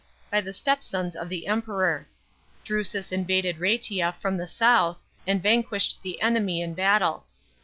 by the stepsons of the Emperor. Drusus invaded Rsetia from the south: and vanquished the enemy in battle.